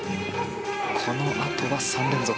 このあとは３連続。